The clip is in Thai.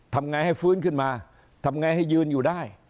ทำไงให้ฟื้นขึ้นมาทำไงให้ยืนอยู่ได้